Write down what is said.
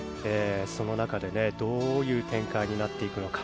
その中でどういう展開になっていくのか。